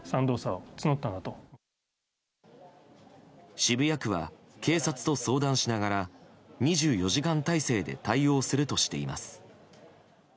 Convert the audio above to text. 渋谷区は警察と相談しながら２４時間態勢で対応するとしています。